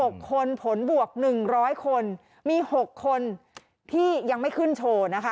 ๑๐๖คนผลบวก๑๐๐คนมี๖คนที่ยังไม่ขึ้นโชว์